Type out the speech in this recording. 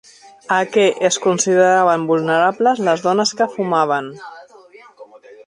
A què es consideraven vulnerables les dones que fumaven?